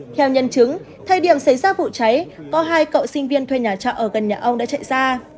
theo nhân chứng thời điểm xảy ra vụ cháy có hai cậu sinh viên thuê nhà trọ ở gần nhà ông đã chạy ra